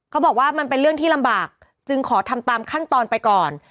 เขาบอกว่ามันเป็นเรื่องที่ลำบากจึงขอทำตามขั้นตอนไปก่อน